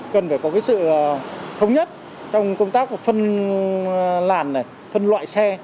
cần phải có sự thống nhất trong công tác phân loại xe